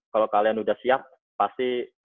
kalau kalian udah siap pasti